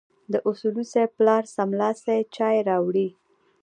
د اصولي صیب پلار سملاسي چای راوړې.